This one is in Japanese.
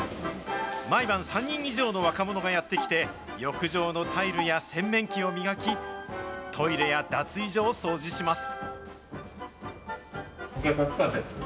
毎晩３人以上の若者がやって来て、浴場のタイルや洗面器を磨き、トイレや脱衣所を掃除します。